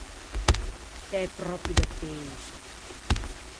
T’ê pròpio de peiso!